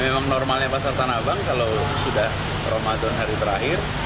memang normalnya pasar tanah abang kalau sudah ramadan hari terakhir